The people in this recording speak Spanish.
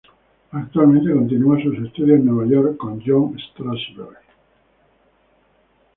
Actualmente continúa sus estudios en Nueva York, con John Strasberg.